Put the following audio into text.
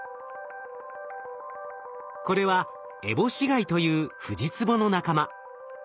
これはエボシガイというフジツボの仲間。